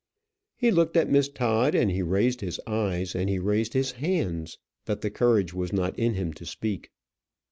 He looked at Miss Todd, and he raised his eyes, and he raised his hands, but the courage was not in him to speak.